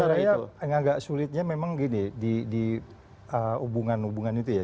menurut saya agak sulitnya memang gini di hubungan hubungan itu ya